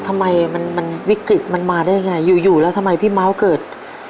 ทำไมมันวิกฤตมันมาได้ยังไงอยู่อยู่แล้วทำไมพี่เมาส์เกิด